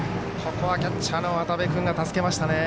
ここはキャッチャーの渡部君、助けましたね。